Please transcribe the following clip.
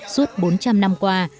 suốt bốn trăm linh năm qua